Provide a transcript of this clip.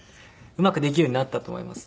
うまくできるようになったと思います。